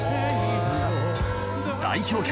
代表曲